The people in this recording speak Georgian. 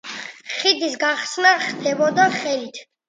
ხიდის გახსნა ხდებოდა ხელით.